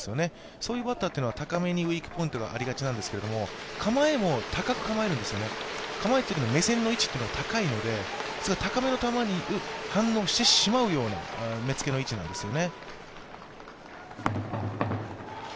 そういうバッターは高めにウィークポイントがありがちなんですけど、構えも高く構えるんですよね、構えている目線の位置が高いので高めの球に反応してしまうような目付けの位置なんですよね。